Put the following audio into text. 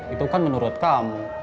itu kan menurut kamu